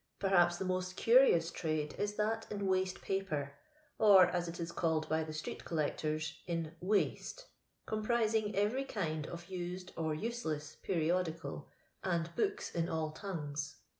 Perhaps the most curious trade is thai in waste paper, or as it is called by the street col lectors, in " waste," comprising every kind of used or useless periodical, and books in all tongues.